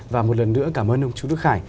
và một lần nữa cảm ơn ông chú đức khải